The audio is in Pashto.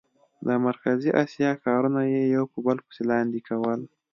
د مرکزي اسیا ښارونه یې یو په بل پسې لاندې کول.